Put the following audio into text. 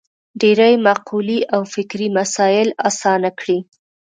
ډېرې مقولې او فکري مسایل اسانه کړي.